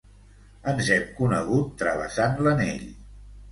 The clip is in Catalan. Ens hem conegut travessant l’anell.